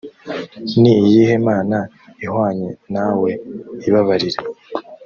ni iyihe mana ihwanye nawe ibabarira